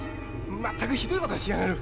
まったくひどいことしやがる。